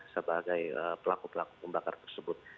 sebagai pelaku pelaku pembakar tersebut